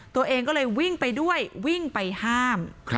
ตัวเองก็เลยวิ่งไปด้วยวิ่งไปห้าม